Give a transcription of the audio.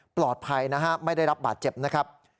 ปลอดภัยนะฮะไม่ได้รับบาดเจ็บนะครับ